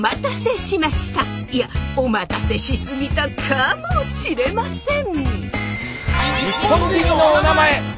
いやお待たせしすぎたかもしれません。